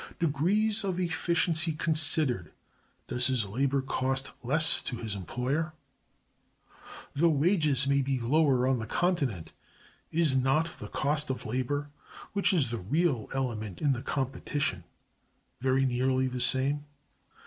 Degrees of efficiency considered, does his labor cost less to his employer? Though wages may be lower on the Continent, is not the Cost of Labor, which is the real element in the competition, very nearly the same?